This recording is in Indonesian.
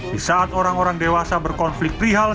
di saat orang orang dewasa berkonflik perihal